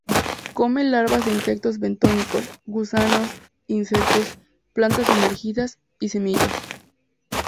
Come larvas de insectos bentónicos, gusanos, insectos, plantas sumergidas y semillas.